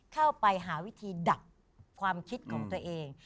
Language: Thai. เข้าไปหาวิธีดักความคิดของตัวเอง